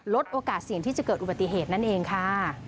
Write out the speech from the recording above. โอกาสเสี่ยงที่จะเกิดอุบัติเหตุนั่นเองค่ะ